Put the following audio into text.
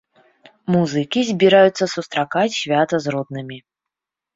Музыкі збіраюцца сустракаць свята з роднымі.